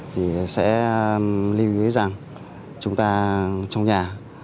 thì sẽ lưu ý rằng chúng ta trong nhà